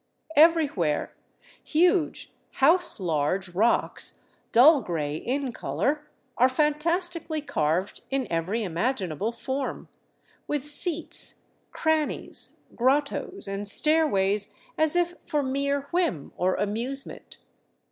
Everywhere huge, house large rocks, dull gray in color, are fantasti 451 VAGABONDING DOWN THE ANDES cally carved in every imaginable form, with seats, crannies, grottoes, and stairways, as if for mere whim or amusement.